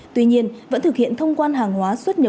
tuy nhiên vẫn thực hiện thông quan hàng hóa xuất nhập